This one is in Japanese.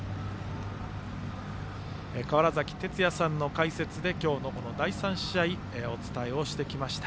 川原崎哲也さんの解説で今日の第３試合お伝えをしてきました。